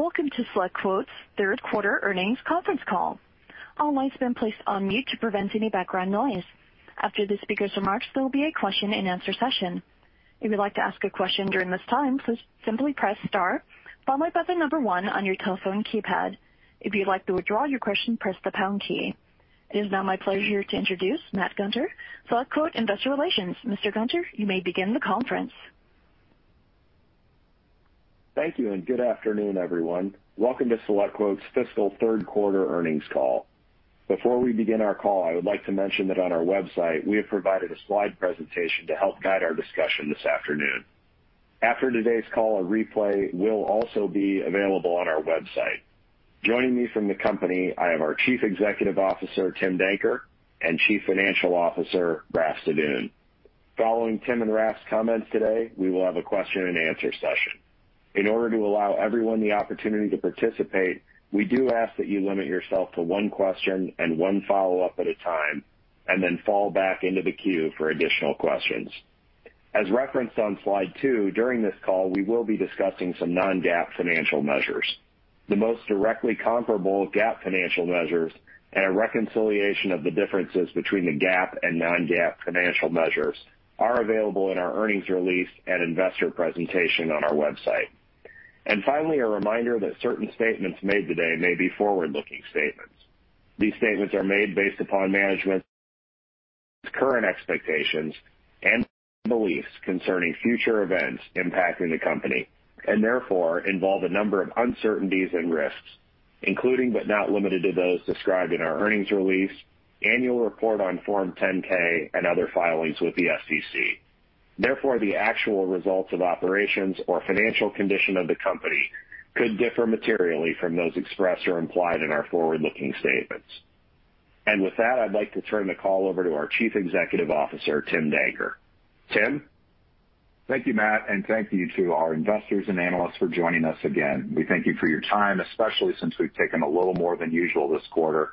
Welcome to the SelectQuote third earnings conference call. Please mute to prevent any background noise. After the speaker's remarks there will be question and answer session, if you would like to ask a question during this time, please press star, simply, followed by the number 1 on your telephone keypad. It is now my pleasure to introduce Matthew Gunter, SelectQuote Investor Relations. Mr. Gunter, you may begin the conference. Thank you. Good afternoon, everyone. Welcome to SelectQuote's fiscal third quarter earnings call. Before we begin our call, I would like to mention that on our website, we have provided a slide presentation to help guide our discussion this afternoon. After today's call, a replay will also be available on our website. Joining me from the company, I have our Chief Executive Officer, Tim Danker, and Chief Financial Officer, Raffaele Sadun. Following Tim and Raf's comments today, we will have a question-and-answer session. In order to allow everyone the opportunity to participate, we do ask that you limit yourself to one question and one follow-up at a time. Then fall back into the queue for additional questions. As referenced on slide two, during this call, we will be discussing some non-GAAP financial measures. The most directly comparable GAAP financial measures and a reconciliation of the differences between the GAAP and non-GAAP financial measures are available in our earnings release and investor presentation on our website. Finally, a reminder that certain statements made today may be forward-looking statements. These statements are made based upon management's current expectations and beliefs concerning future events impacting the company, and therefore, involve a number of uncertainties and risks, including but not limited to those described in our earnings release, annual report on Form 10-K, and other filings with the SEC. Therefore, the actual results of operations or financial condition of the company could differ materially from those expressed or implied in our forward-looking statements. With that, I'd like to turn the call over to our Chief Executive Officer, Tim Danker. Tim? Thank you, Matt, and thank you to our investors and analysts for joining us again. We thank you for your time, especially since we've taken a little more than usual this quarter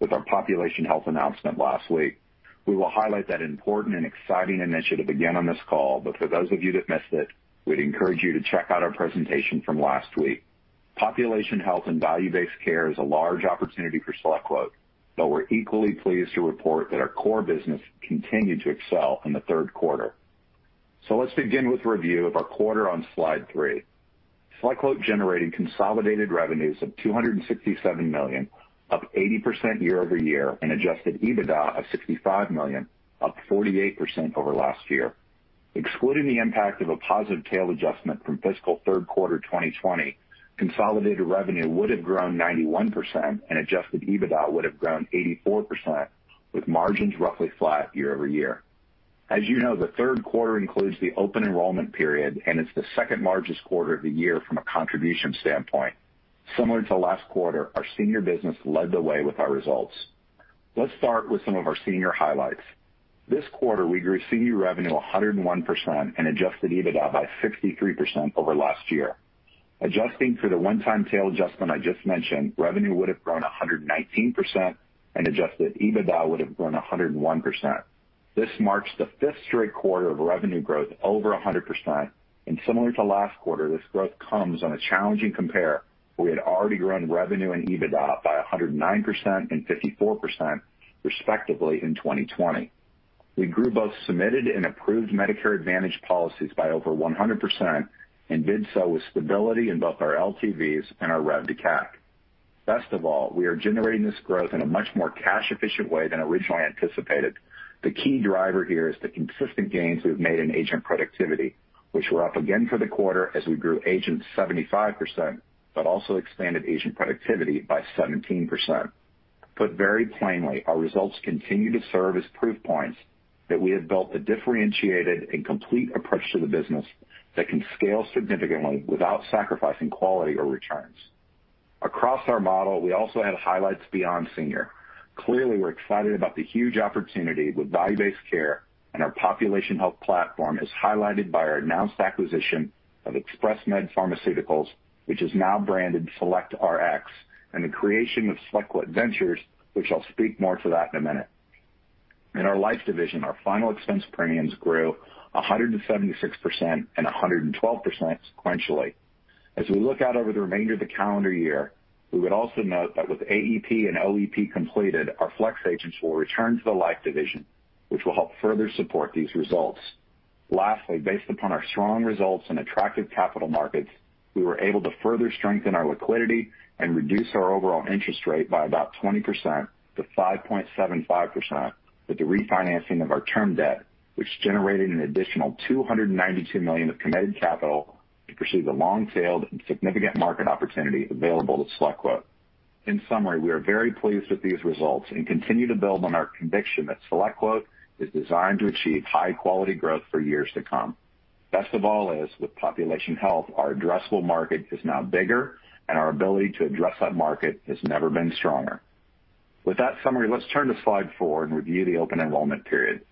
with our population health announcement last week. We will highlight that important and exciting initiative again on this call. For those of you that missed it, we'd encourage you to check out our presentation from last week. population health and value-based care is a large opportunity for SelectQuote, though we're equally pleased to report that our core business continued to excel in the third quarter. Let's begin with a review of our quarter on slide three. SelectQuote generated consolidated revenues of $267 million, up 80% year-over-year, and adjusted EBITDA of $65 million, up 48% over last year. Excluding the impact of a positive tail adjustment from fiscal third quarter 2020, consolidated revenue would have grown 91%, and adjusted EBITDA would have grown 84%, with margins roughly flat year-over-year. As you know, the third quarter includes the Open Enrollment Period, and it's the second largest quarter of the year from a contribution standpoint. Similar to last quarter, our senior business led the way with our results. Let's start with some of our senior highlights. This quarter, we grew senior revenue 101% and adjusted EBITDA by 63% over last year. Adjusting for the one-time tail adjustment I just mentioned, revenue would have grown 119%, and adjusted EBITDA would have grown 101%. This marks the fifth straight quarter of revenue growth over 100%, and similar to last quarter, this growth comes on a challenging compare, where we had already grown revenue and EBITDA by 109% and 54%, respectively, in 2020. We grew both submitted and approved Medicare Advantage policies by over 100% and did so with stability in both our LTVs and our rev to CAC. Best of all, we are generating this growth in a much more cash-efficient way than originally anticipated. The key driver here is the consistent gains we've made in agent productivity, which were up again for the quarter as we grew agents 75%, but also expanded agent productivity by 17%. Put very plainly, our results continue to serve as proof points that we have built a differentiated and complete approach to the business that can scale significantly without sacrificing quality or returns. Across our model, we also had highlights beyond senior. Clearly, we're excited about the huge opportunity with value-based care, and our population health platform is highlighted by our announced acquisition of ExpressMed Pharmaceuticals, which is now branded SelectRx, and the creation of SelectQuote Ventures, which I'll speak more to that in a minute. In our life division, our final expense premiums grew 176% and 112% sequentially. As we look out over the remainder of the calendar year, we would also note that with AEP and OEP completed, our Flex agents will return to the life division, which will help further support these results. Based upon our strong results and attractive capital markets, we were able to further strengthen our liquidity and reduce our overall interest rate by about 20% to 5.75% with the refinancing of our term debt, which generated an additional $292 million of committed capital to pursue the long-tailed and significant market opportunity available to SelectQuote. In summary, we are very pleased with these results and continue to build on our conviction that SelectQuote is designed to achieve high-quality growth for years to come. Best of all is, with population health, our addressable market is now bigger, and our ability to address that market has never been stronger. With that summary, let's turn to slide four and review the open enrollment period.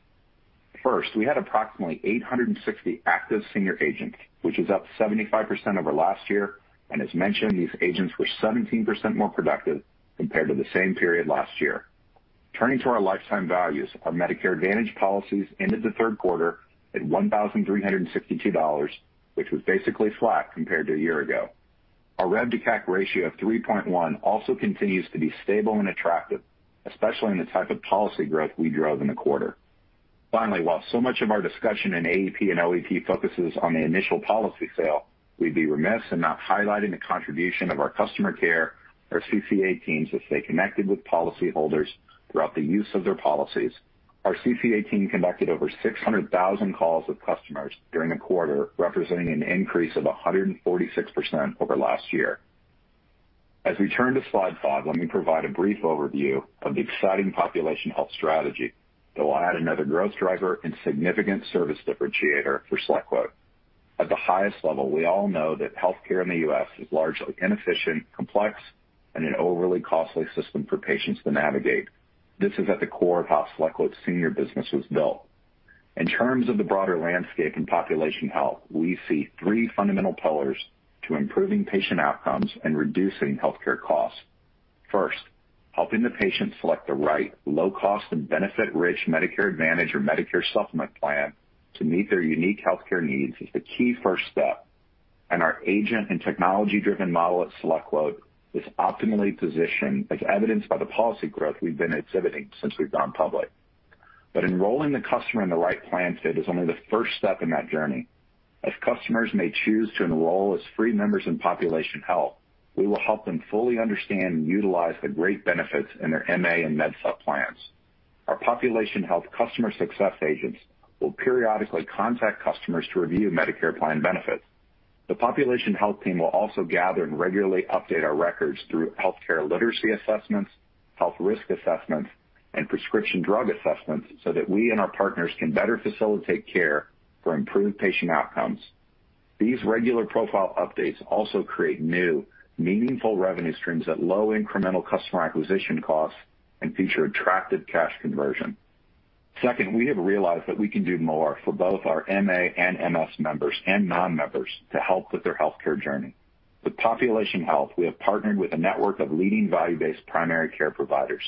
First, we had approximately 860 active senior agents, which is up 75% over last year. As mentioned, these agents were 17% more productive compared to the same period last year. Turning to our lifetime values, our Medicare Advantage policies ended the third quarter at $1,362, which was basically flat compared to a year ago. Our LTV to CAC ratio of 3.1 also continues to be stable and attractive, especially in the type of policy growth we drove in the quarter. Finally, while so much of our discussion in AEP and OEP focuses on the initial policy sale, we'd be remiss in not highlighting the contribution of our customer care, our CCA teams, as they connected with policyholders throughout the use of their policies. Our CCA team conducted over 600,000 calls with customers during the quarter, representing an increase of 146% over last year. As we turn to slide five, let me provide a brief overview of the exciting population health strategy that will add another growth driver and significant service differentiator for SelectQuote. At the highest level, we all know that healthcare in the U.S. is largely inefficient, complex, and an overly costly system for patients to navigate. This is at the core of how SelectQuote Senior business was built. In terms of the broader landscape in population health, we see three fundamental pillars to improving patient outcomes and reducing healthcare costs. First, helping the patient select the right low cost and benefit-rich Medicare Advantage or Medicare Supplement plan to meet their unique healthcare needs is the key first step, and our agent and technology-driven model at SelectQuote is optimally positioned, as evidenced by the policy growth we've been exhibiting since we've gone public. Enrolling the customer in the right plan fit is only the first step in that journey. Customers may choose to enroll as free members in population health, we will help them fully understand and utilize the great benefits in their MA and Med Supp plans. Our population health customer success agents will periodically contact customers to review Medicare plan benefits. The population health team will also gather and regularly update our records through healthcare literacy assessments, health risk assessments, and prescription drug assessments so that we and our partners can better facilitate care for improved patient outcomes. These regular profile updates also create new, meaningful revenue streams at low incremental customer acquisition costs and feature attractive cash conversion. Second, we have realized that we can do more for both our MA and MS members and non-members to help with their healthcare journey. With population health, we have partnered with a network of leading value-based primary care providers.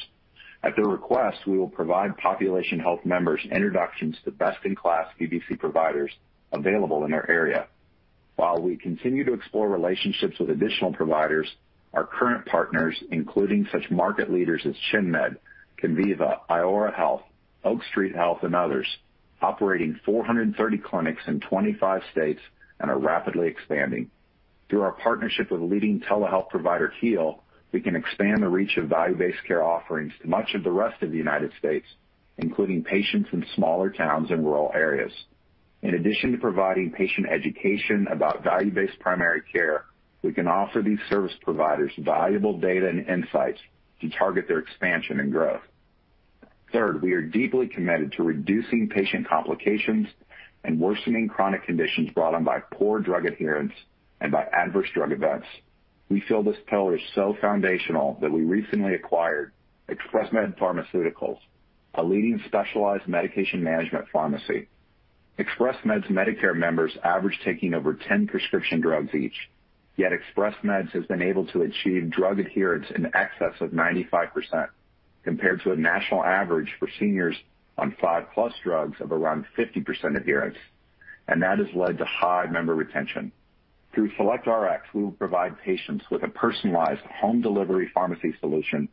At their request, we will provide population health members introductions to best-in-class VBC providers available in our area. While we continue to explore relationships with additional providers, our current partners, including such market leaders as ChenMed, Conviva, Iora Health, Oak Street Health, and others, operating 430 clinics in 25 states and are rapidly expanding. Through our partnership with leading telehealth provider Heal, we can expand the reach of value-based care offerings to much of the rest of the U.S., including patients in smaller towns and rural areas. In addition to providing patient education about value-based primary care, we can offer these service providers valuable data and insights to target their expansion and growth. Third, we are deeply committed to reducing patient complications and worsening chronic conditions brought on by poor drug adherence and by adverse drug events. We feel this pillar is so foundational that we recently acquired Express Med Pharmaceuticals, a leading specialized medication management pharmacy. ExpressMed's Medicare members average taking over 10 prescription drugs each, yet Express Med has been able to achieve drug adherence in excess of 95%, compared to a national average for seniors on five-plus drugs of around 50% adherence, and that has led to high member retention. Through SelectRx, we will provide patients with a personalized home delivery pharmacy solution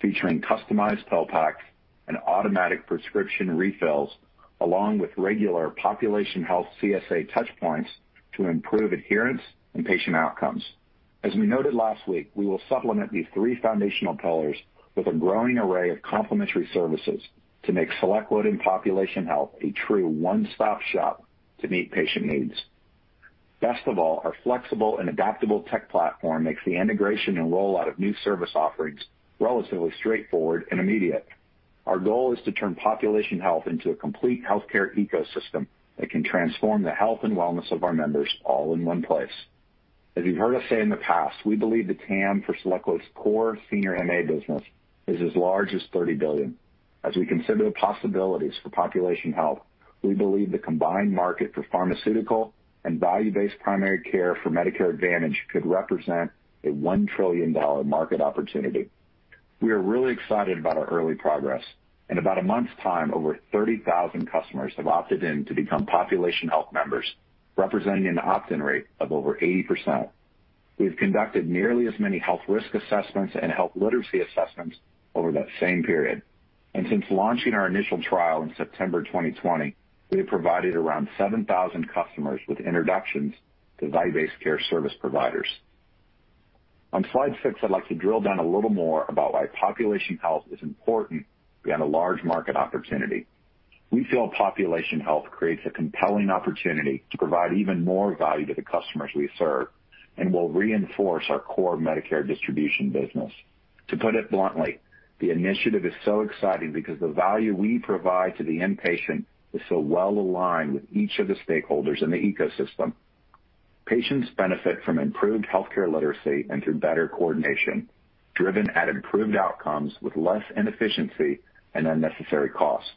featuring customized pill packs and automatic prescription refills, along with regular population health CSA touch points to improve adherence and patient outcomes. As we noted last week, we will supplement these three foundational pillars with a growing array of complementary services to make SelectQuote and population health a true one-stop shop to meet patient needs. Best of all, our flexible and adaptable tech platform makes the integration and rollout of new service offerings relatively straightforward and immediate. Our goal is to turn population health into a complete healthcare ecosystem that can transform the health and wellness of our members all in one place. As you've heard us say in the past, we believe the TAM for SelectQuote's core senior MA business is as large as $30 billion. As we consider the possibilities for population health, we believe the combined market for pharmaceutical and value-based primary care for Medicare Advantage could represent a $1 trillion market opportunity. We are really excited about our early progress. In about a month's time, over 30,000 customers have opted in to become Population Health members, representing an opt-in rate of over 80%. We've conducted nearly as many health risk assessments and health literacy assessments over that same period. Since launching our initial trial in September 2020, we have provided around 7,000 customers with introductions to value-based care service providers. On slide six, I'd like to drill down a little more about why Population Health is important beyond a large market opportunity. We feel Population Health creates a compelling opportunity to provide even more value to the customers we serve and will reinforce our core Medicare distribution business. To put it bluntly, the initiative is so exciting because the value we provide to the end patient is so well aligned with each of the stakeholders in the ecosystem. Patients benefit from improved healthcare literacy and through better coordination, driven at improved outcomes with less inefficiency and unnecessary costs.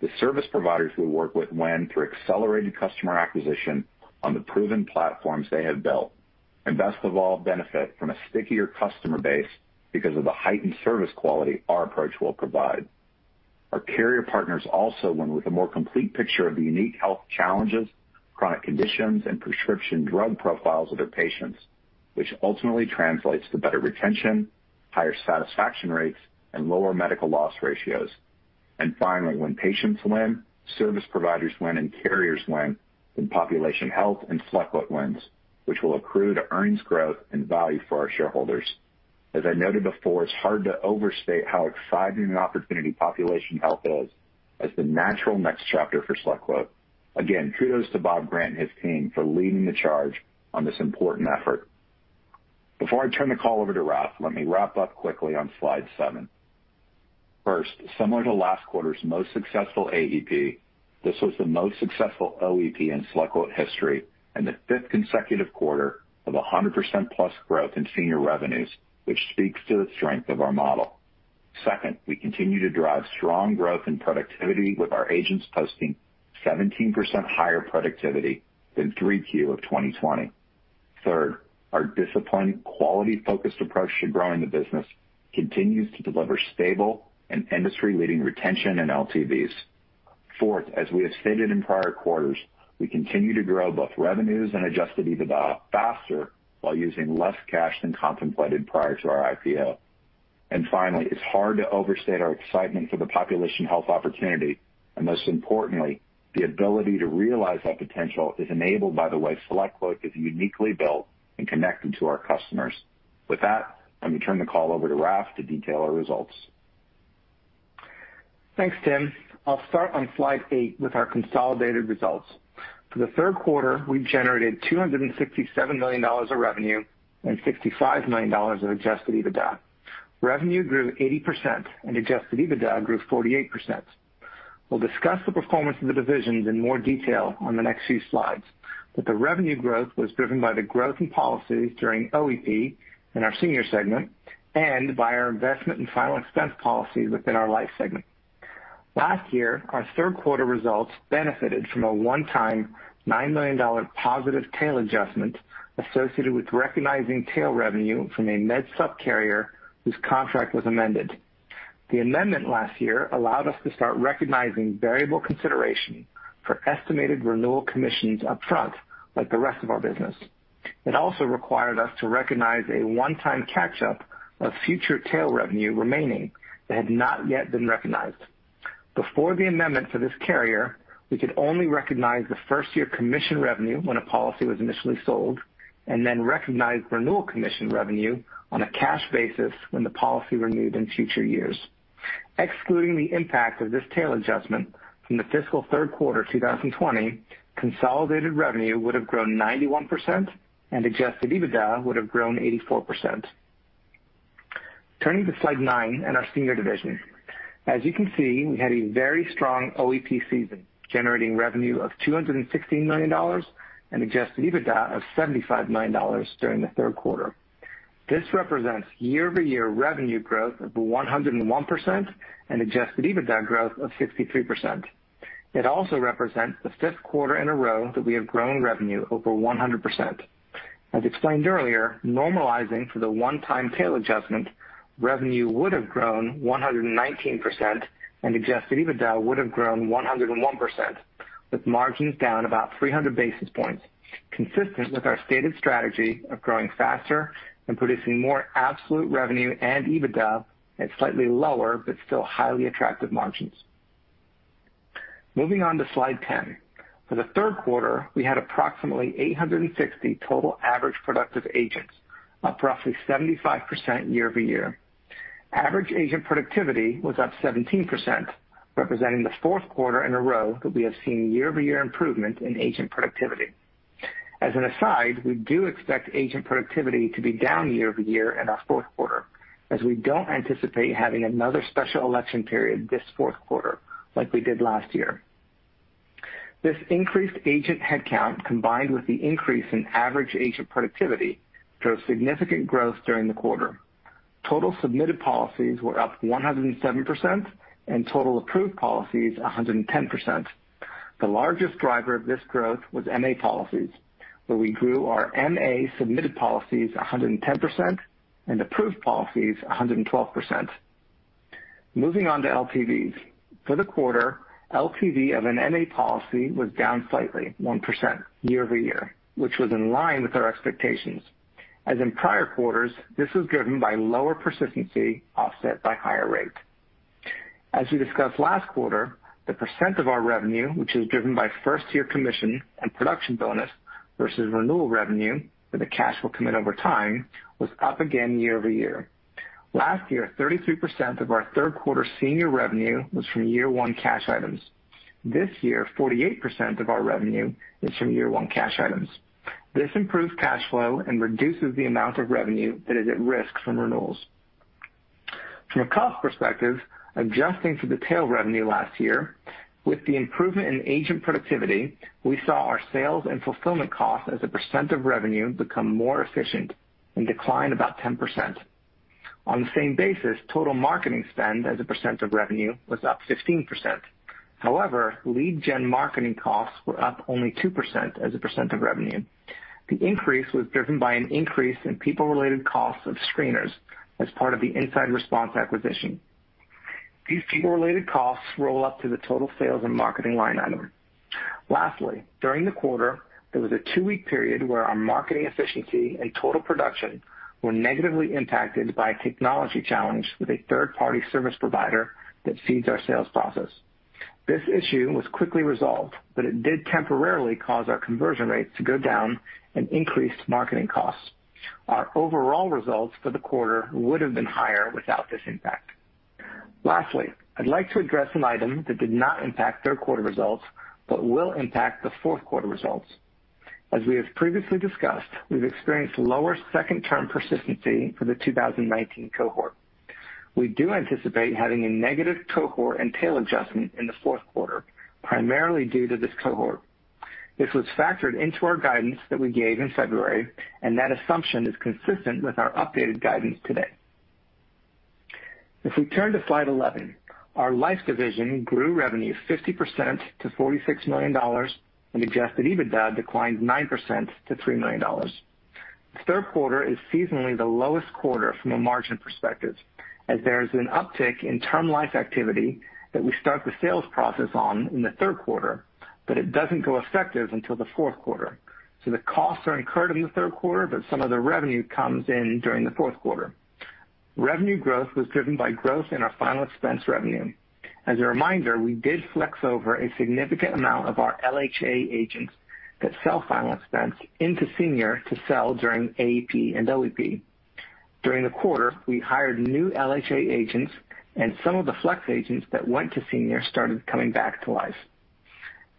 The service providers we work with win through accelerated customer acquisition on the proven platforms they have built, and best of all, benefit from a stickier customer base because of the heightened service quality our approach will provide. Our carrier partners also win with a more complete picture of the unique health challenges, chronic conditions, and prescription drug profiles of their patients, which ultimately translates to better retention, higher satisfaction rates, and lower medical loss ratios. Finally, when patients win, service providers win, and carriers win, then population health and SelectQuote wins, which will accrue to earnings growth and value for our shareholders. As I noted before, it's hard to overstate how exciting an opportunity population health is as the natural next chapter for SelectQuote. Kudos to Bob Grant and his team for leading the charge on this important effort. Before I turn the call over to Raf, let me wrap up quickly on slide seven. First, similar to last quarter's most successful AEP, this was the most successful OEP in SelectQuote history and the fifth consecutive quarter of 100%-plus growth in senior revenues, which speaks to the strength of our model. Second, we continue to drive strong growth and productivity, with our agents posting 17% higher productivity than 3Q of 2020. Third, our disciplined, quality-focused approach to growing the business continues to deliver stable and industry-leading retention and LTVs. Fourth, as we have stated in prior quarters, we continue to grow both revenues and adjusted EBITDA faster while using less cash than contemplated prior to our IPO. Finally, it's hard to overstate our excitement for the population health opportunity, and most importantly, the ability to realize that potential is enabled by the way SelectQuote is uniquely built and connected to our customers. With that, let me turn the call over to Raf to detail our results. Thanks, Tim. I'll start on slide eight with our consolidated results. For the third quarter, we generated $267 million of revenue and $65 million of adjusted EBITDA. Revenue grew 80%, and adjusted EBITDA grew 48%. We'll discuss the performance of the divisions in more detail on the next few slides, but the revenue growth was driven by the growth in policies during OEP in our Senior segment and by our investment in final expense policies within our Life segment. Last year, our third quarter results benefited from a one-time $9 million positive tail adjustment associated with recognizing tail revenue from a Med Supp carrier whose contract was amended. The amendment last year allowed us to start recognizing variable consideration for estimated renewal commissions up front like the rest of our business. It also required us to recognize a one-time catch-up of future tail revenue remaining that had not yet been recognized. Before the amendment for this carrier, we could only recognize the first-year commission revenue when a policy was initially sold, and then recognize renewal commission revenue on a cash basis when the policy renewed in future years. Excluding the impact of this tail adjustment from the fiscal third quarter 2020, consolidated revenue would've grown 91%, and adjusted EBITDA would've grown 84%. Turning to slide nine and our Senior Division. As you can see, we had a very strong OEP season, generating revenue of $216 million and adjusted EBITDA of $75 million during the third quarter. This represents year-over-year revenue growth of 101% and adjusted EBITDA growth of 63%. It also represents the fifth quarter in a row that we have grown revenue over 100%. As explained earlier, normalizing for the one-time tail adjustment, revenue would've grown 119%, and adjusted EBITDA would've grown 101%, with margins down about 300 basis points, consistent with our stated strategy of growing faster and producing more absolute revenue and EBITDA at slightly lower but still highly attractive margins. Moving on to slide 10. For the third quarter, we had approximately 860 total average productive agents, up roughly 75% year-over-year. Average agent productivity was up 17%, representing the fourth quarter in a row that we have seen year-over-year improvement in agent productivity. As an aside, we do expect agent productivity to be down year-over-year in our fourth quarter, as we don't anticipate having another Special Enrollment Period this fourth quarter like we did last year. This increased agent headcount, combined with the increase in average agent productivity, drove significant growth during the quarter. Total submitted policies were up 107%, and total approved policies, 110%. The largest driver of this growth was MA policies, where we grew our MA submitted policies 110% and approved policies 112%. Moving on to LTVs. For the quarter, LTV of an MA policy was down slightly 1% year-over-year, which was in line with our expectations. As in prior quarters, this was driven by lower persistency offset by higher rate. As we discussed last quarter, the percent of our revenue, which is driven by first-year commission and production bonus versus renewal revenue where the cash will come in over time, was up again year-over-year. Last year, 33% of our third quarter Senior revenue was from year one cash items. This year, 48% of our revenue is from year one cash items. This improves cash flow and reduces the amount of revenue that is at risk from renewals. From a cost perspective, adjusting for the tail revenue last year, with the improvement in agent productivity, we saw our sales and fulfillment costs as a percent of revenue become more efficient and decline about 10%. On the same basis, total marketing spend as a percent of revenue was up 15%. However, lead gen marketing costs were up only 2% as a percent of revenue. The increase was driven by an increase in people related costs of screeners as part of the InsideResponse acquisition. These people related costs roll up to the total sales and marketing line item. Lastly, during the quarter, there was a two-week period where our marketing efficiency and total production were negatively impacted by a technology challenge with a third party service provider that feeds our sales process. This issue was quickly resolved, but it did temporarily cause our conversion rates to go down and increased marketing costs. Our overall results for the quarter would have been higher without this impact. Lastly, I'd like to address an item that did not impact third quarter results, but will impact the fourth quarter results. As we have previously discussed, we've experienced lower second term persistency for the 2019 cohort. We do anticipate having a negative cohort and tail adjustment in the fourth quarter, primarily due to this cohort. This was factored into our guidance that we gave in February, and that assumption is consistent with our updated guidance today. If we turn to slide 11, our life division grew revenue 50% to $46 million and adjusted EBITDA declined 9% to $3 million. The third quarter is seasonally the lowest quarter from a margin perspective as there is an uptick in term life activity that we start the sales process on in the third quarter, but it doesn't go effective until the fourth quarter. The costs are incurred in the third quarter, but some of the revenue comes in during the fourth quarter. Revenue growth was driven by growth in our final expense revenue. As a reminder, we did flex over a significant amount of our LHA agents that sell final expense into senior to sell during AEP and OEP. During the quarter, we hired new LHA agents and some of the flex agents that went to senior started coming back to life.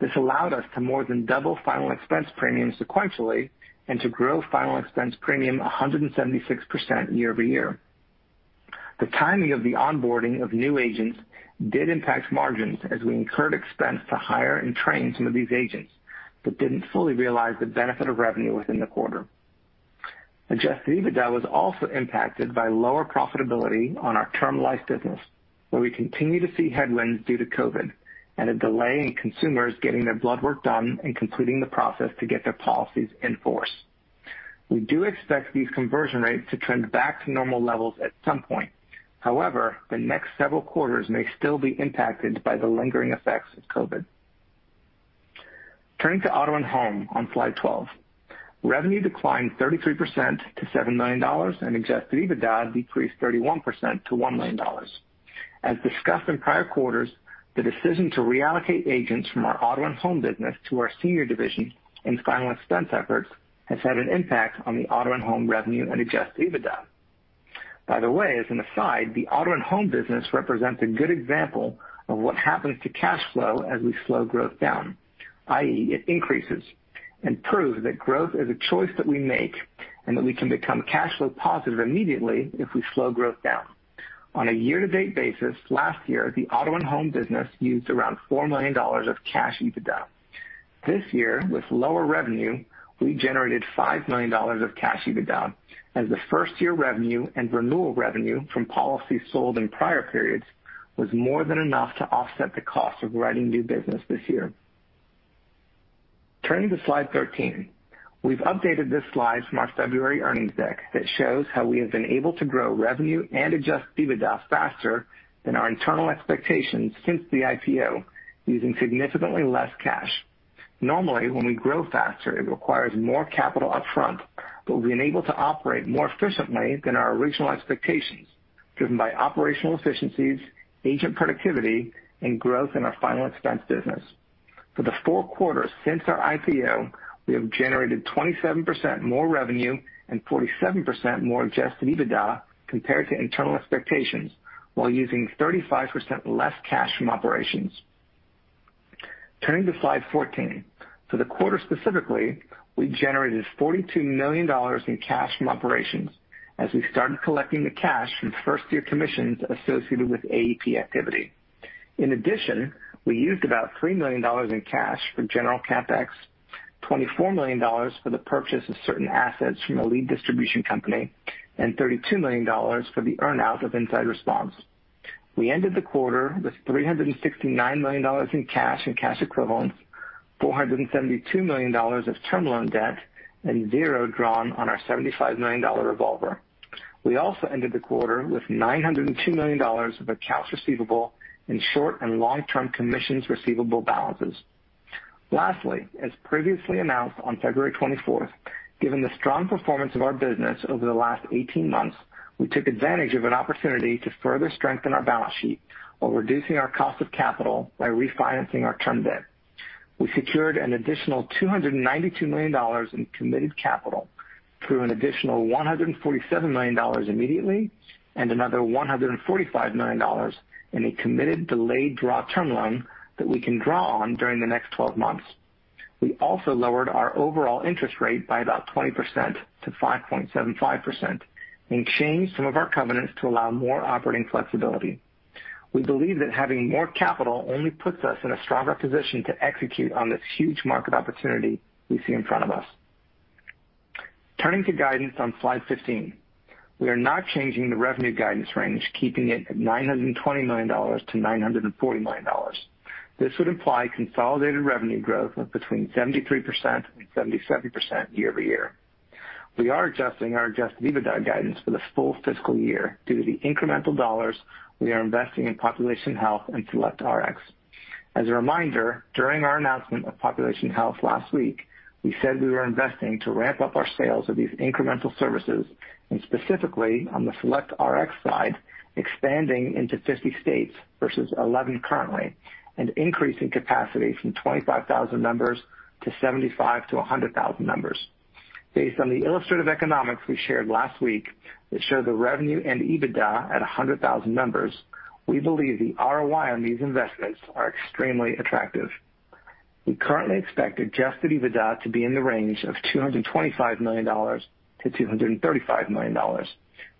This allowed us to more than double final expense premium sequentially and to grow final expense premium 176% year-over-year. The timing of the onboarding of new agents did impact margins as we incurred expense to hire and train some of these agents, but didn't fully realize the benefit of revenue within the quarter. Adjusted EBITDA was also impacted by lower profitability on our term life business, where we continue to see headwinds due to COVID and a delay in consumers getting their blood work done and completing the process to get their policies in force. We do expect these conversion rates to trend back to normal levels at some point. However, the next several quarters may still be impacted by the lingering effects of COVID. Turning to auto and home on slide 12. Revenue declined 33% to $7 million and adjusted EBITDA decreased 31% to $1 million. As discussed in prior quarters, the decision to reallocate agents from our auto and home business to our senior division and final expense efforts has had an impact on the auto and home revenue and adjusted EBITDA. By the way, as an aside, the auto and home business represents a good example of what happens to cash flow as we slow growth down, i.e., it increases, and prove that growth is a choice that we make and that we can become cash flow positive immediately if we slow growth down. On a year-to-date basis, last year, the auto and home business used around $4 million of cash EBITDA. This year, with lower revenue, we generated $5 million of cash EBITDA as the first-year revenue and renewal revenue from policies sold in prior periods was more than enough to offset the cost of writing new business this year. Turning to slide 13. We've updated this slide from our February earnings deck that shows how we have been able to grow revenue and adjusted EBITDA faster than our internal expectations since the IPO, using significantly less cash. Normally, when we grow faster, it requires more capital up front, we've been able to operate more efficiently than our original expectations, driven by operational efficiencies, agent productivity, and growth in our final expense business. For the four quarters since our IPO, we have generated 27% more revenue and 47% more adjusted EBITDA compared to internal expectations while using 35% less cash from operations. Turning to slide 14. For the quarter specifically, we generated $42 million in cash from operations as we started collecting the cash from first year commissions associated with AEP activity. In addition, we used about $3 million in cash for general CapEx, $24 million for the purchase of certain assets from a lead distribution company, and $32 million for the earn-out of InsideResponse. We ended the quarter with $369 million in cash and cash equivalents, $472 million of term loan debt, and zero drawn on our $75 million revolver. We also ended the quarter with $902 million of accounts receivable in short and long-term commissions receivable balances. Lastly, as previously announced on February 24th, given the strong performance of our business over the last 18 months, we took advantage of an opportunity to further strengthen our balance sheet while reducing our cost of capital by refinancing our term debt. We secured an additional $292 million in committed capital through an additional $147 million immediately and another $145 million in a committed delayed draw term loan that we can draw on during the next 12 months. We also lowered our overall interest rate by about 20% to 5.75% and changed some of our covenants to allow more operating flexibility. We believe that having more capital only puts us in a stronger position to execute on this huge market opportunity we see in front of us. Turning to guidance on slide 15. We are not changing the revenue guidance range, keeping it at $920 million-$940 million. This would imply consolidated revenue growth of between 73% and 77% year-over-year. We are adjusting our adjusted EBITDA guidance for the full fiscal year due to the incremental dollars we are investing in population health and SelectRx. As a reminder, during our announcement of population health last week, we said we were investing to ramp up our sales of these incremental services, and specifically on the SelectRx side, expanding into 50 states versus 11 currently, and increasing capacity from 25,000 members to 75,000 to 100,000 members. Based on the illustrative economics we shared last week that show the revenue and EBITDA at 100,000 members, we believe the ROI on these investments are extremely attractive. We currently expect adjusted EBITDA to be in the range of $225 million to $235 million,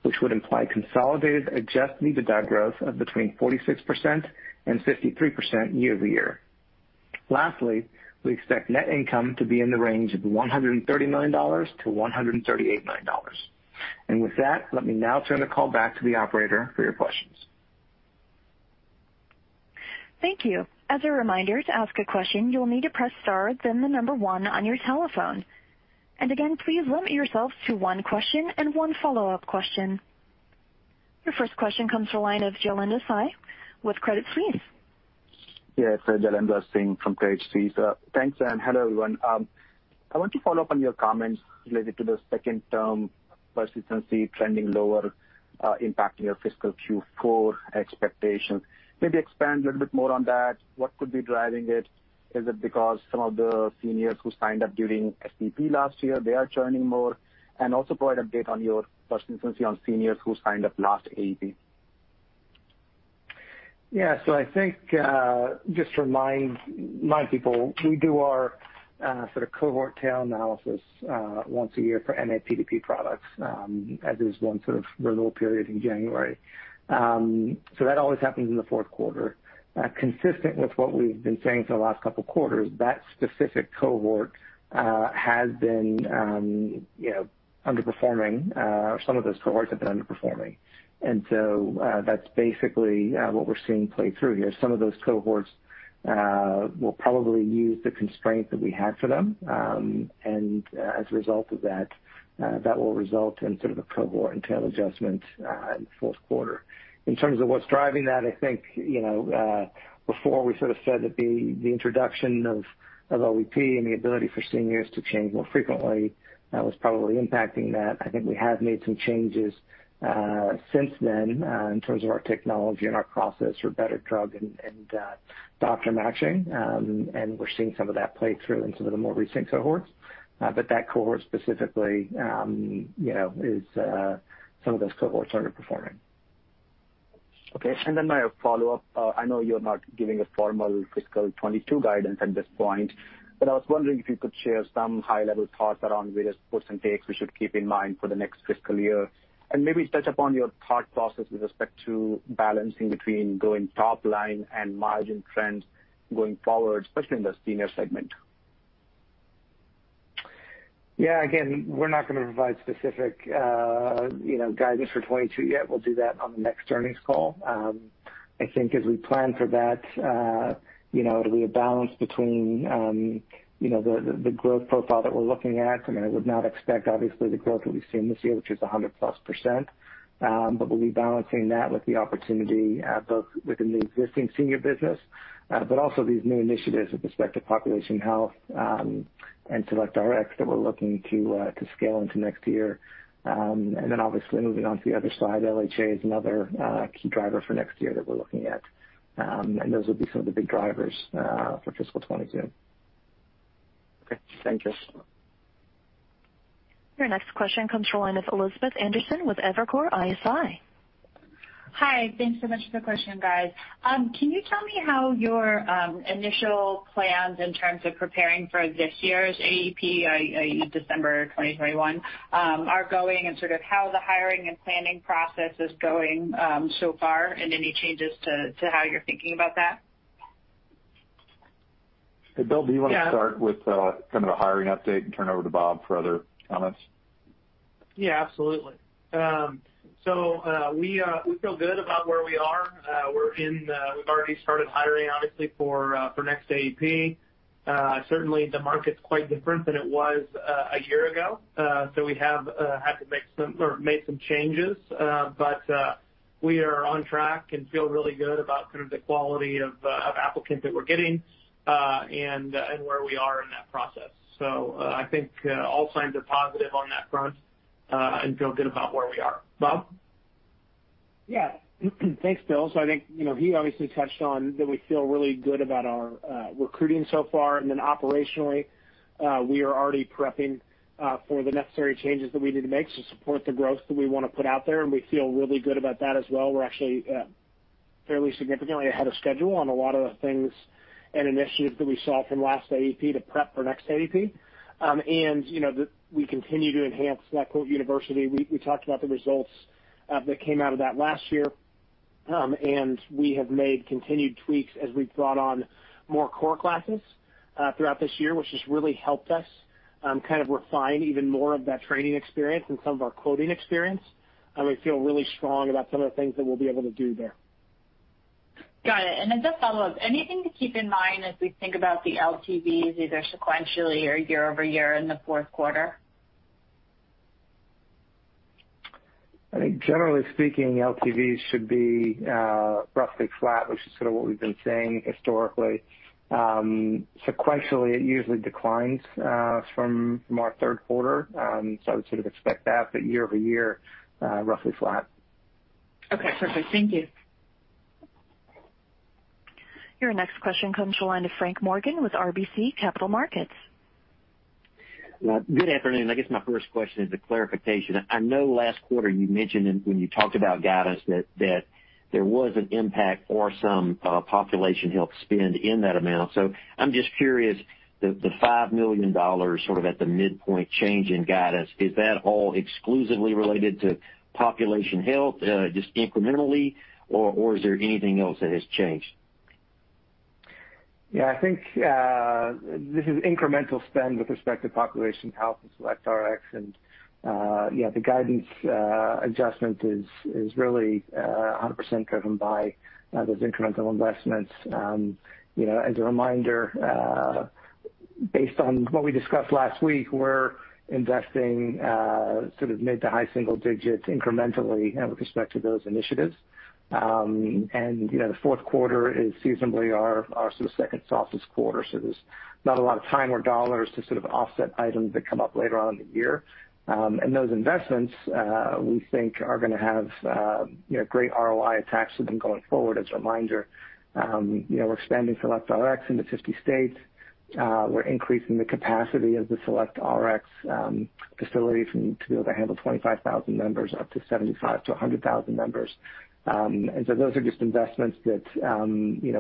which would imply consolidated adjusted EBITDA growth of between 46% and 53% year-over-year. Lastly, we expect net income to be in the range of $130 million to $138 million. With that, let me now turn the call back to the operator for your questions. Thank you. As a reminder, to ask a question, you will need to press star, then the number one on your telephone. Again, please limit yourself to one question and one follow-up question. Your first question comes from the line of Jailendra Singh with Credit Suisse. Yeah, it's Jailendra Singh from Credit Suisse. Thanks, and hello, everyone. I want to follow up on your comments related to the second term persistency trending lower, impacting your fiscal Q4 expectations. Maybe expand a little bit more on that. What could be driving it? Is it because some of the seniors who signed up during SEP last year, they are churning more? Also provide update on your persistency on seniors who signed up last AEP. Yeah. I think, just to remind my people, we do our sort of cohort tail analysis once a year for MAPD products, as is one sort of renewal period in January. That always happens in the fourth quarter. Consistent with what we've been saying for the last couple of quarters, that specific cohort has been underperforming. Some of those cohorts have been underperforming. That's basically what we're seeing play through here. Some of those cohorts will probably use the constraint that we had for them, and as a result of that will result in sort of a cohort and tail adjustment in the fourth quarter. In terms of what's driving that, I think, before, we sort of said that the introduction of OEP and the ability for seniors to change more frequently, that was probably impacting that. I think we have made some changes since then in terms of our technology and our process for better drug and doctor matching. We're seeing some of that play through in some of the more recent cohorts. Some of those cohorts are underperforming. Okay. Then my follow-up. I know you're not giving a formal fiscal 2022 guidance at this point, but I was wondering if you could share some high-level thoughts around various gives and takes we should keep in mind for the next fiscal year. Maybe touch upon your thought process with respect to balancing between going top line and margin trends going forward, especially in the senior segment. Again, we're not going to provide specific guidance for 2022 yet. We'll do that on the next earnings call. I think as we plan for that, it'll be a balance between the growth profile that we're looking at. I mean, I would not expect, obviously, the growth that we've seen this year, which is 100%-plus. We'll be balancing that with the opportunity, both within the existing senior business, but also these new initiatives with respect to population health and SelectRx that we're looking to scale into next year. Obviously, moving on to the other side, LHA is another key driver for next year that we're looking at. Those will be some of the big drivers for fiscal 2022. Okay, thank you. Your next question comes from the line of Elizabeth Anderson with Evercore ISI. Hi. Thanks so much for the question, guys. Can you tell me how your initial plans in terms of preparing for this year's AEP, i.e. December 2021, are going, and sort of how the hiring and planning process is going so far, and any changes to how you're thinking about that? Hey, Bill, do you want to start with kind of the hiring update and turn over to Bob for other comments? Yeah, absolutely. We feel good about where we are. We've already started hiring, obviously, for next AEP. Certainly, the market's quite different than it was a year ago, so we have had to make some changes. We are on track and feel really good about kind of the quality of applicants that we're getting, and where we are in that process. I think all signs are positive on that front, and feel good about where we are. Bob? Thanks, Bill. I think he obviously touched on that we feel really good about our recruiting so far. Operationally, we are already prepping for the necessary changes that we need to make to support the growth that we want to put out there, and we feel really good about that as well. We're actually fairly significantly ahead of schedule on a lot of the things and initiatives that we saw from last AEP to prep for next AEP. We continue to enhance SelectQuote University. We talked about the results that came out of that last year. We have made continued tweaks as we've brought on more core classes throughout this year, which has really helped us kind of refine even more of that training experience and some of our quoting experience. We feel really strong about some of the things that we'll be able to do there. Got it. Just follow-up, anything to keep in mind as we think about the LTVs, either sequentially or year-over-year in the fourth quarter? I think generally speaking, LTVs should be roughly flat, which is sort of what we've been saying historically. Sequentially, it usually declines from our third quarter. I would sort of expect that, but year-over-year, roughly flat. Okay, perfect. Thank you. Your next question comes to the line of Frank Morgan with RBC Capital Markets. Good afternoon. I guess my first question is a clarification. I know last quarter you mentioned when you talked about guidance that there was an impact or some population health spend in that amount. I'm just curious, the $5 million sort of at the midpoint change in guidance, is that all exclusively related to population health, just incrementally, or is there anything else that has changed? I think, this is incremental spend with respect to population health and SelectRx. The guidance adjustment is really 100% driven by those incremental investments. As a reminder, based on what we discussed last week, we're investing sort of mid to high single digits incrementally with respect to those initiatives. The fourth quarter is seasonally our sort of second softest quarter. There's not a lot of time or dollars to sort of offset items that come up later on in the year. Those investments, we think are going to have great ROI attached to them going forward. As a reminder, we're expanding SelectRx into 50 states. We're increasing the capacity of the SelectRx facilities from to be able to handle 25,000 members up to 75,000 to 100,000 members. Those are just investments that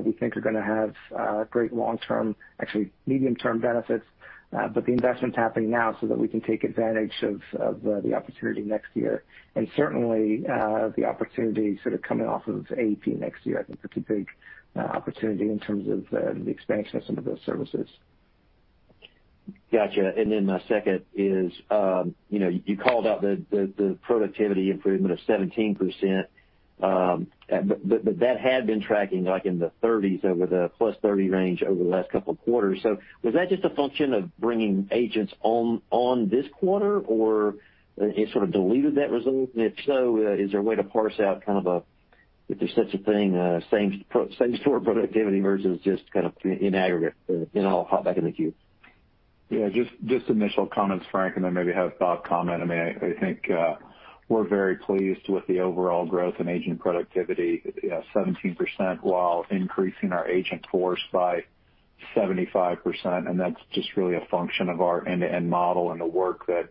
we think are going to have great long-term, actually medium-term benefits. The investment's happening now so that we can take advantage of the opportunity next year. Certainly, the opportunity sort of coming off of AEP next year, I think that's a big opportunity in terms of the expansion of some of those services. Got you. My second is, you called out the productivity improvement of 17%, that had been tracking like in the 30s, over the plus 30 range over the last couple of quarters. Was that just a function of bringing agents on this quarter, or it sort of diluted that result? If so, is there a way to parse out kind of a, if there's such a thing, same store productivity versus just kind of in aggregate? I'll hop back in the queue. Just initial comments, Frank, and then maybe have Bob comment. I think, we're very pleased with the overall growth in agent productivity, 17% while increasing our agent force by 75%. That's just really a function of our end-to-end model and the work that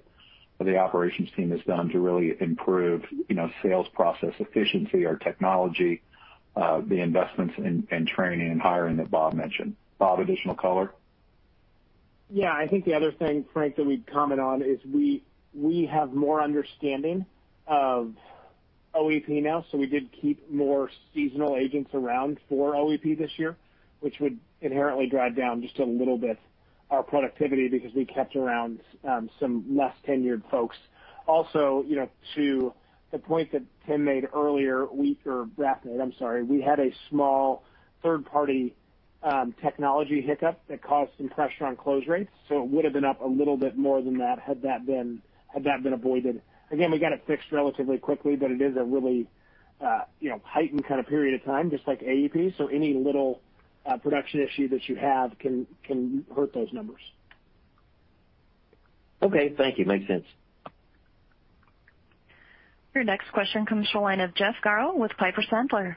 the operations team has done to really improve sales process efficiency, our technology, the investments in training and hiring that Bob mentioned. Bob, additional color? Yeah. I think the other thing, Frank, that we'd comment on is we have more understanding of OEP now. We did keep more seasonal agents around for OEP this year, which would inherently drive down just a little bit our productivity because we kept around some less tenured folks. Also, to the point that Tim made earlier, or Raffaele Sadun made, I'm sorry. We had a small third-party technology hiccup that caused some pressure on close rates, so it would have been up a little bit more than that had that been avoided. Again, we got it fixed relatively quickly, but it is a really heightened kind of period of time, just like AEP. Any little production issue that you have can hurt those numbers. Okay, thank you. Makes sense. Your next question comes to the line of Jeff Garro with Piper Sandler.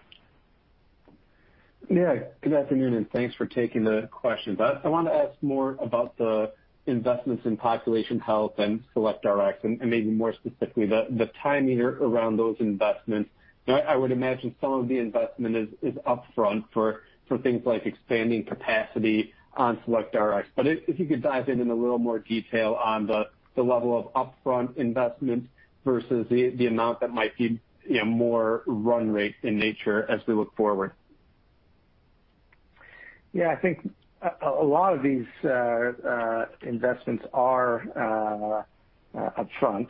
Yeah. Good afternoon, and thanks for taking the questions. I want to ask more about the investments in population health and SelectRx, and maybe more specifically, the timing around those investments. I would imagine some of the investment is upfront for things like expanding capacity on SelectRx. If you could dive in in a little more detail on the level of upfront investment versus the amount that might be more run rate in nature as we look forward. Yeah, I think a lot of these investments are upfront.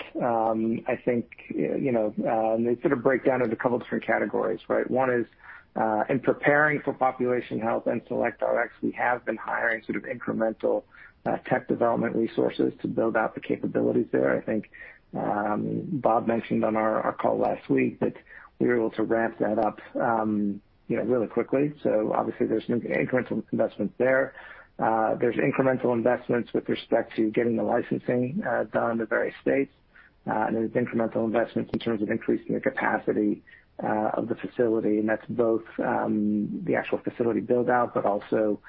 I think they sort of break down into a couple different categories, right? One is, in preparing for population health and SelectRx, we have been hiring sort of incremental tech development resources to build out the capabilities there. I think Bob mentioned on our call last week that we were able to ramp that up really quickly. Obviously there's some incremental investments there. There's incremental investments with respect to getting the licensing done in the various states. There's incremental investments in terms of increasing the capacity of the facility, and that's both the actual facility build-out, but also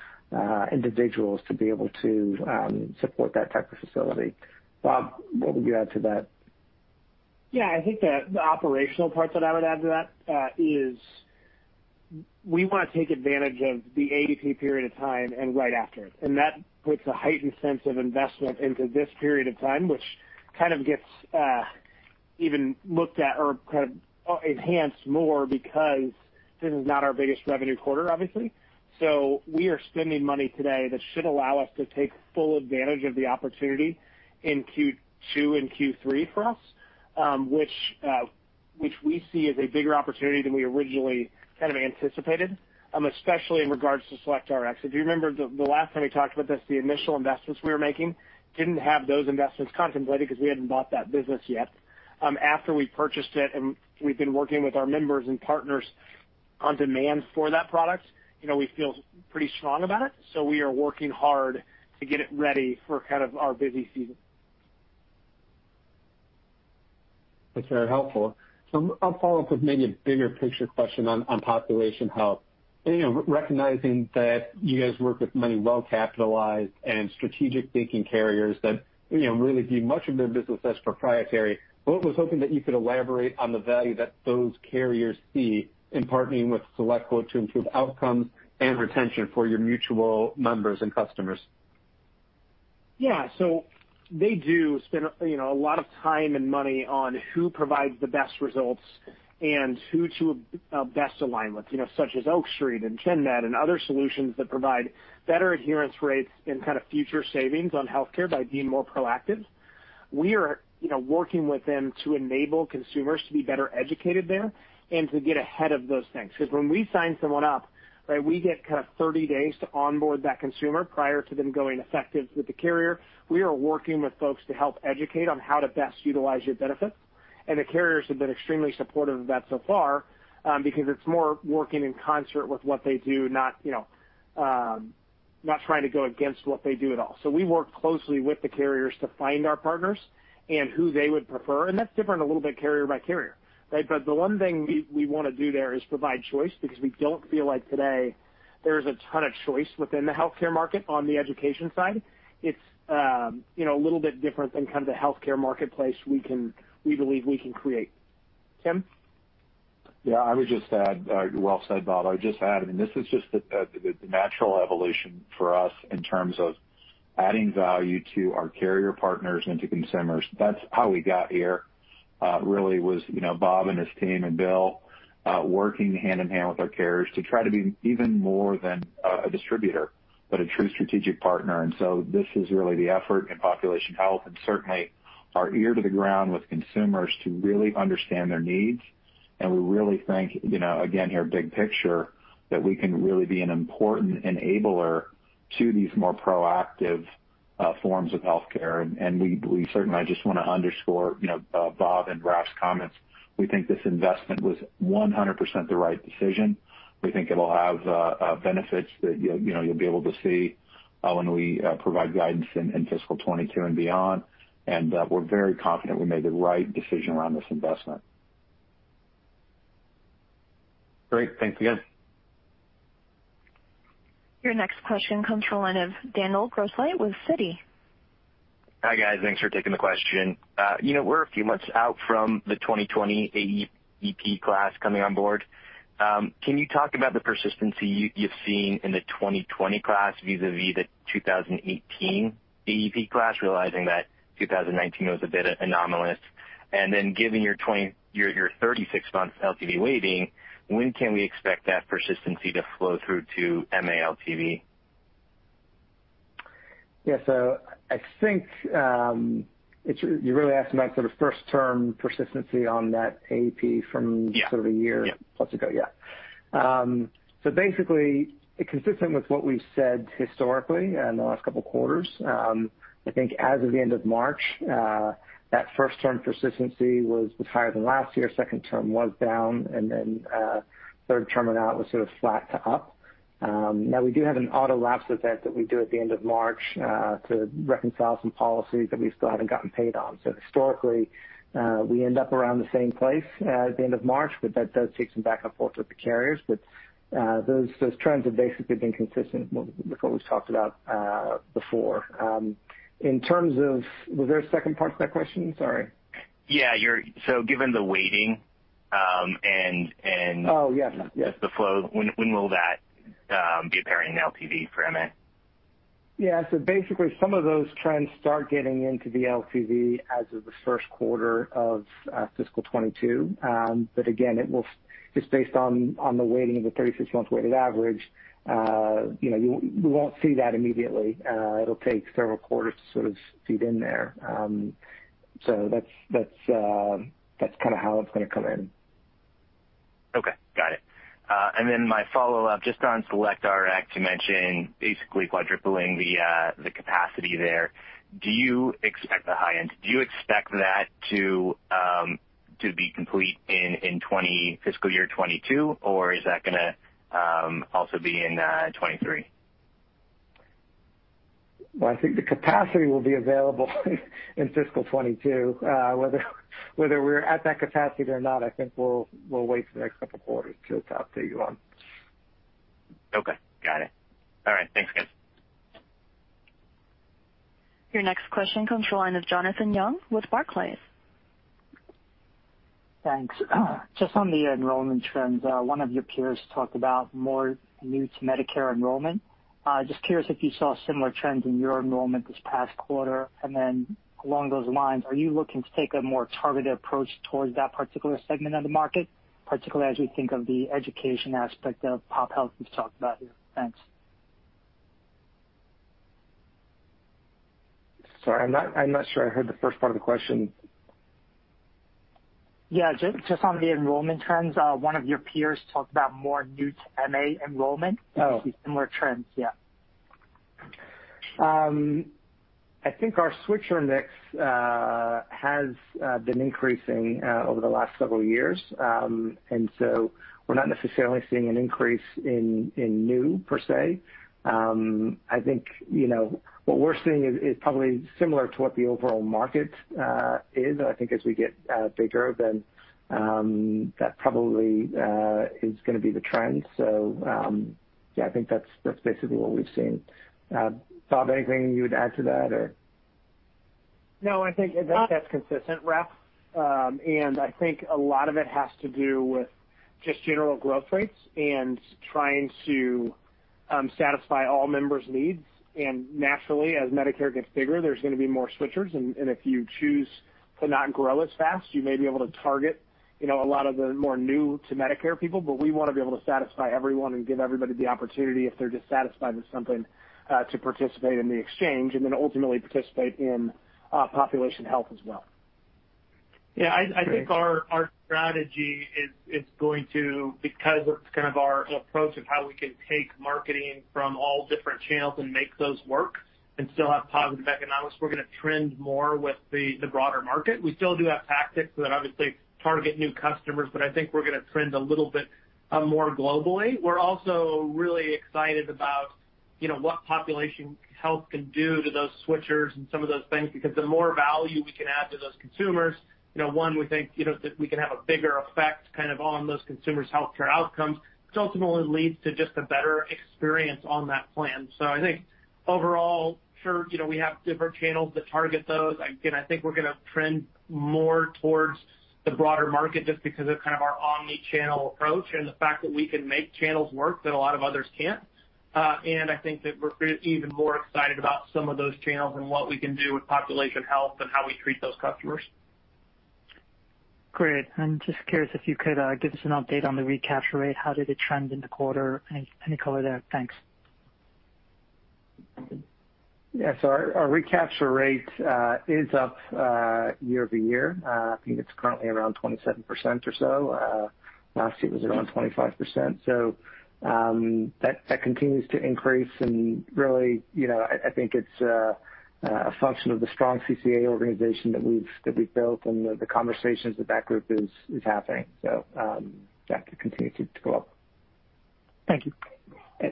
individuals to be able to support that type of facility. Bob, what would you add to that? Yeah, I think the operational part that I would add to that is. We want to take advantage of the AEP period of time and right after it, and that puts a heightened sense of investment into this period of time, which kind of gets even looked at or kind of enhanced more because this is not our biggest revenue quarter, obviously. We are spending money today that should allow us to take full advantage of the opportunity in Q2 and Q3 for us, which we see as a bigger opportunity than we originally kind of anticipated, especially in regards to SelectRx. If you remember the last time we talked about this, the initial investments we were making didn't have those investments contemplated because we hadn't bought that business yet. After we purchased it and we've been working with our members and partners on demand for that product, we feel pretty strong about it. We are working hard to get it ready for kind of our busy season. That's very helpful. I'll follow up with maybe a bigger picture question on population health. Recognizing that you guys work with many well-capitalized and strategic-thinking carriers that really view much of their business as proprietary, but was hoping that you could elaborate on the value that those carriers see in partnering with SelectQuote to improve outcomes and retention for your mutual members and customers. Yeah. They do spend a lot of time and money on who provides the best results and who to best align with, such as Oak Street and ChenMed and other solutions that provide better adherence rates and kind of future savings on healthcare by being more proactive. We are working with them to enable consumers to be better educated there and to get ahead of those things. When we sign someone up, right, we get kind of 30 days to onboard that consumer prior to them going effective with the carrier. We are working with folks to help educate on how to best utilize your benefits, and the carriers have been extremely supportive of that so far, because it's more working in concert with what they do, not trying to go against what they do at all. We work closely with the carriers to find our partners and who they would prefer, and that's different a little bit carrier by carrier, right? The one thing we want to do there is provide choice because we don't feel like today there is a ton of choice within the healthcare market on the education side. It's a little bit different than kind of the healthcare marketplace we believe we can create. Tim? Yeah, well said, Bob. I would just add, I mean, this is just the natural evolution for us in terms of adding value to our carrier partners and to consumers. That's how we got here really was Bob and his team and Bill working hand-in-hand with our carriers to try to be even more than a distributor, but a true strategic partner. So this is really the effort in population health, and certainly our ear to the ground with consumers to really understand their needs, and we really think, again, here, big picture, that we can really be an important enabler to these more proactive forms of healthcare. We certainly, I just want to underscore Bob and Raf's comments. We think this investment was 100% the right decision. We think it'll have benefits that you'll be able to see when we provide guidance in fiscal 2022 and beyond. We're very confident we made the right decision around this investment. Great. Thanks again. Your next question comes from the line of Daniel Grosslight with Citi. Hi, guys. Thanks for taking the question. We're a few months out from the 2020 AEP class coming on board. Can you talk about the persistency you've seen in the 2020 class vis-a-vis the 2018 AEP class, realizing that 2019 was a bit anomalous? Given your 36 months LTV weighting, when can we expect that persistency to flow through to MA LTV? Yeah. I think, you're really asking about sort of first-term persistency on that AEP. Yeah sort of a year plus ago. Yeah. Basically, consistent with what we've said historically in the last couple of quarters, I think as of the end of March, that first-term persistency was higher than last year. Second term was down, and then third term and out was sort of flat to up. We do have an auto lapse event that we do at the end of March to reconcile some policies that we still haven't gotten paid on. Historically, we end up around the same place at the end of March, but that does take some back and forth with the carriers. Those trends have basically been consistent with what we've talked about before. Was there a second part to that question? Sorry. Yeah. Given the weighting. Oh, yes. just the flow, when will that be apparent in LTV for MA? Basically, some of those trends start getting into the LTV as of the first quarter of fiscal 2022. Again, it's based on the weighting of the 36-month weighted average. You won't see that immediately. It'll take several quarters to sort of feed in there. That's kind of how it's going to come in. Okay, got it. My follow-up, just on SelectRx, you mentioned basically quadrupling the capacity there. Do you expect the high end? Do you expect that to be complete in fiscal year 2022, or is that going to also be in 2023? Well, I think the capacity will be available in fiscal 2022. Whether we're at that capacity or not, I think we'll wait for the next couple of quarters to update you on. Okay, got it. All right, thanks again. Your next question comes from the line of Jonathan Yong with Barclays. Thanks. Just on the enrollment trends, one of your peers talked about more new to Medicare enrollment. Just curious if you saw similar trends in your enrollment this past quarter, and then along those lines, are you looking to take a more targeted approach towards that particular segment of the market, particularly as we think of the education aspect of pop health we've talked about here? Thanks. Sorry, I'm not sure I heard the first part of the question. Yeah. Just on the enrollment trends, one of your peers talked about more new to MA enrollment. Oh. Similar trends. Yeah. I think our switcher mix has been increasing over the last several years. We're not necessarily seeing an increase in new, per se. I think, what we're seeing is probably similar to what the overall market is. I think as we get bigger, then that probably is going to be the trend. Yeah, I think that's basically what we've seen. Bob, anything you would add to that? No, I think that's consistent, Raf. I think a lot of it has to do with just general growth rates and trying to satisfy all members' needs. Naturally, as Medicare gets bigger, there's going to be more switchers. If you choose to not grow as fast, you may be able to target a lot of the more new-to-Medicare people. We want to be able to satisfy everyone and give everybody the opportunity, if they're dissatisfied with something, to participate in the exchange and then ultimately participate in population health as well. I think our strategy is going to, because of kind of our approach of how we can take marketing from all different channels and make those work and still have positive economics, we're going to trend more with the broader market. We still do have tactics that obviously target new customers, but I think we're going to trend a little bit more globally. We're also really excited about what population health can do to those switchers and some of those things, because the more value we can add to those consumers, one, we think that we can have a bigger effect kind of on those consumers' healthcare outcomes, which ultimately leads to just a better experience on that plan. I think overall, sure, we have different channels that target those. I think we're going to trend more towards the broader market just because of kind of our omni-channel approach and the fact that we can make channels work that a lot of others can't. I think that we're even more excited about some of those channels and what we can do with population health and how we treat those customers. Great. Just curious if you could give us an update on the recapture rate. How did it trend in the quarter? Any color there? Thanks. Yeah. Our recapture rate is up year-over-year. I think it's currently around 27% or so. Last year it was around 25%. That continues to increase and really, I think it's a function of the strong CCA organization that we've built and the conversations that that group is having. That could continue to go up. Thank you. Yeah.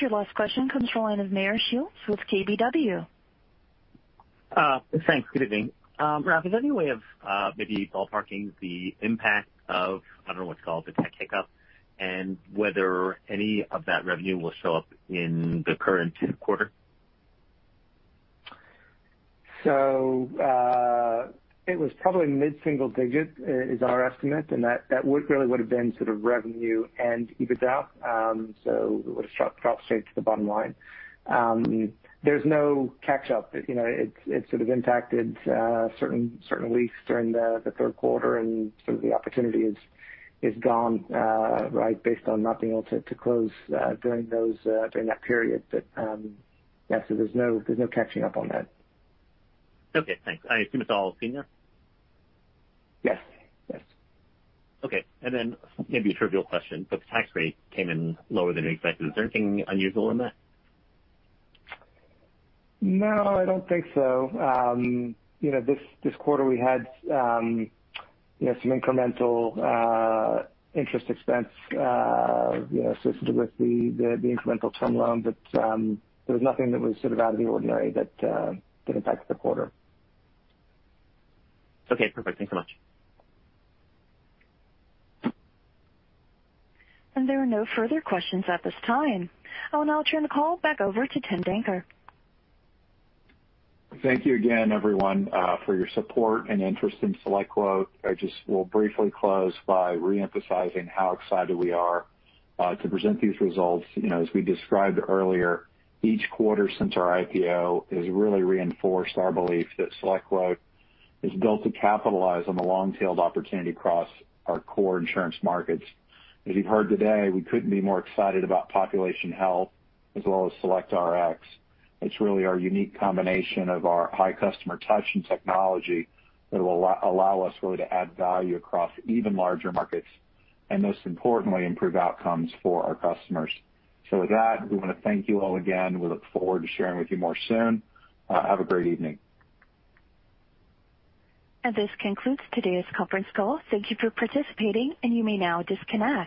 Your last question comes from the line of Meyer Shields with KBW. Thanks. Good evening. Raf, is there any way of maybe ballparking the impact of, I don't know what to call it, the tech hiccup, and whether any of that revenue will show up in the current quarter? It was probably mid-single digit, is our estimate. That really would've been sort of revenue and EBITDA, so it would've dropped straight to the bottom line. There's no catch-up. It sort of impacted certain weeks during the third quarter and some of the opportunity is gone, based on not being able to close during that period. Yeah, there's no catching up on that. Okay, thanks. I assume it's all senior? Yes. Okay. Maybe a trivial question, but the tax rate came in lower than you expected. Is there anything unusual in that? No, I don't think so. This quarter we had some incremental interest expense associated with the incremental term loan. There was nothing that was sort of out of the ordinary that impacted the quarter. Okay, perfect. Thanks so much. There are no further questions at this time. I will now turn the call back over to Tim Danker. Thank you again, everyone, for your support and interest in SelectQuote. I just will briefly close by re-emphasizing how excited we are to present these results. As we described earlier, each quarter since our IPO has really reinforced our belief that SelectQuote is built to capitalize on the long-tailed opportunity across our core insurance markets. As you've heard today, we couldn't be more excited about population health as well as SelectRx. It's really our unique combination of our high customer touch and technology that will allow us really to add value across even larger markets, and most importantly, improve outcomes for our customers. With that, we want to thank you all again. We look forward to sharing with you more soon. Have a great evening. This concludes today's conference call. Thank you for participating, and you may now disconnect.